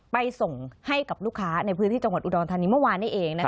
ไปส่งให้กับลูกค้าในพื้นที่จังหวัดอุดรธานีเมื่อวานนี้เอง